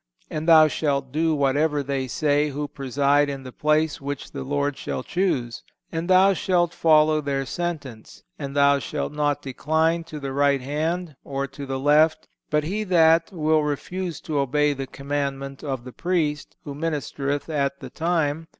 And thou shalt do whatever they say who preside in the place which the Lord shall choose, and thou shalt follow their sentence. And thou shalt not decline to the right hand, or to the left.... But he that ... will refuse to obey the commandment of the Priest, who ministereth at the time